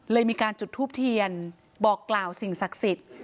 มีการจุดทูปเทียนบอกกล่าวสิ่งศักดิ์สิทธิ์